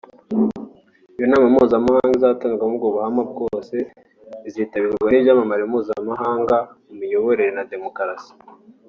Iyi nama mpuzamahanga izatangirwamo ubwo buhamya bwose izitabirwa n’ibyamamare mpuzamahanga mu miyoborere na demokarasi